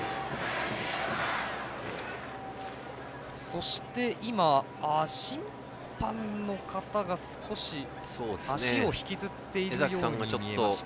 そして今、審判の方が少し足を引きずっているように見えました。